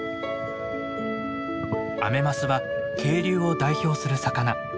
アメマスは渓流を代表する魚。